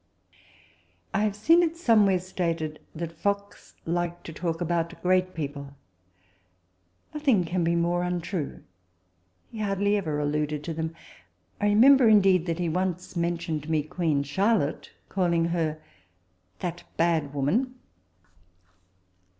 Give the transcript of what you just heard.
I have seen it somewhere stated that Fox liked to talk about great people : nothing can be more untrue ; 44 RECOLLECTIONS OF THE he hardly ever alluded to them. I remember, indeed, that he once mentioned to me Queen Charlotte, calling her " that bad woman."